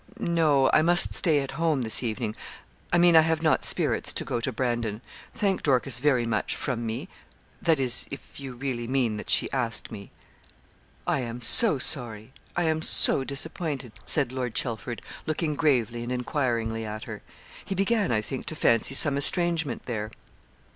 'No, I must stay at home this evening I mean I have not spirits to go to Brandon. Thank Dorcas very much from me that is, if you really mean that she asked me.' 'I am so sorry I am so disappointed,' said Lord Chelford, looking gravely and enquiringly at her. He began, I think, to fancy some estrangement there.